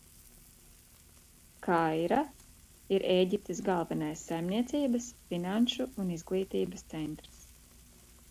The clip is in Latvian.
Kaira ir Ēģiptes galvenais saimniecības, finanšu un izglītības centrs.